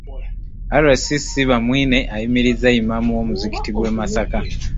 RCC Bamwine ayimirizza Imam w'omuzikiti gw'e Masaka